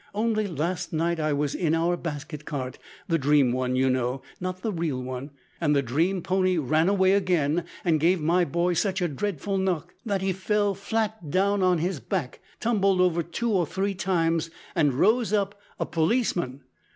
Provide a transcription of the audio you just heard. Only last night I was in our basket cart the dream one, you know, not the real one and the dream pony ran away again, and gave my boy such a dreadful knock that he fell flat down on his back, tumbled over two or three times, and rose up a policeman!